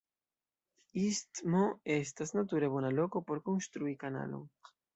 Istmo estas nature bona loko por konstrui kanalon.